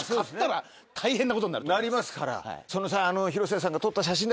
なりますから。